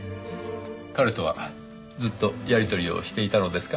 彼とはずっとやり取りをしていたのですか？